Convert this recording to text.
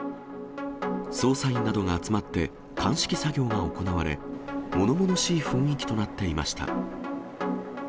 捜査員などが集まって、鑑識作業が行われ、ものものしい雰囲気となっていました。